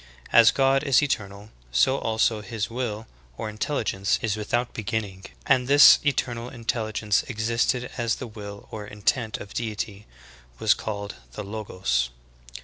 As God is eternal, so also His will or intel ligence is without beginning, and this eternal intelligence existing as the will or intent of Deity, was called the Logos.